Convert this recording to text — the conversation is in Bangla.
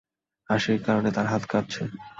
হাসির কারণে তাঁর হাত কাঁপছে।